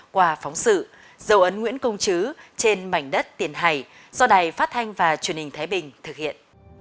qua phóng sự dấu ấn nguyễn công chứ trên mảnh đất tiền hải do đài phát thanh và truyền hình thái bình thực hiện